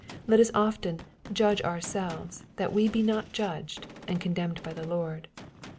Let us often "judge ourselves, that we be not judged," and condemned by the Lord.